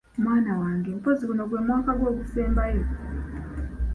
Mwana wange mpozzi guno gwe mwaka gwo ogusembayo?